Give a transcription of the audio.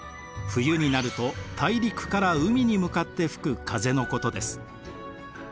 冬になると大陸から海に向かって吹く風のことです。